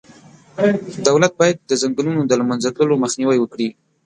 دولت باید د ځنګلونو د له منځه تللو مخنیوی وکړي.